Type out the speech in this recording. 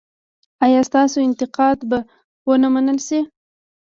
ایا ستاسو انتقاد به و نه منل شي؟